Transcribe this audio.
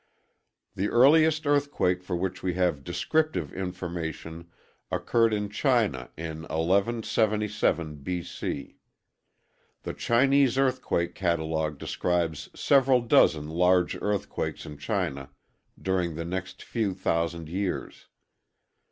The earliest earthquake for which we have descriptive information occurred in China in 1177 B.C. The Chinese earthquake catalog describes several dozen large earthquakes in China during the next few thousand years.